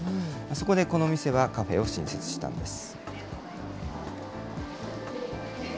そこで、この店はカフェを新設したんです。